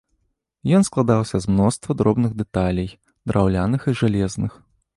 Ён складаўся з мноства дробных дэталей, драўляных і жалезных.